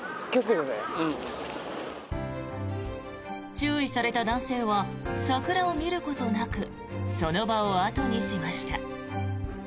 注意された男性は桜を見ることなくその場を後にしました。